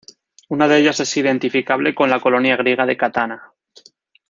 Una de ellas es identificable con la colonia griega de Catana.